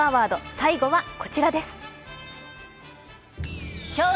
最後はこちらです。